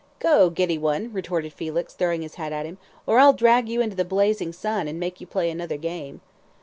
"Go, giddy one," retorted Felix, throwing his hat at him, "or I'll drag you into the blazing sun, and make you play another game."